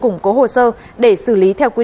nó bỏ mọi người